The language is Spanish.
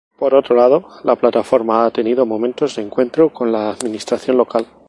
Por otro lado, la plataforma ha tenido momentos de encuentro con la administración local.